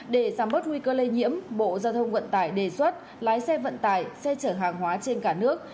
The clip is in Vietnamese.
để giảm bớt nguy cơ lây nhiễm bộ giao thông vận tải đề xuất lái xe vận tải xe chở hàng hóa trên cả nước